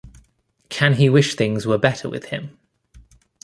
Can he wish things were better with him?